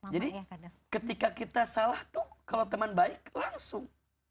jadi ketika kita salah tuh kalau teman baik langsung